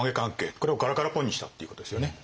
これをガラガラポンにしたっていうことですよね。